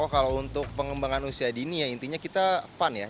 kalau untuk pengembangan usia dini ya intinya kita fun ya